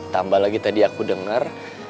tambah lagi tadi aku dengar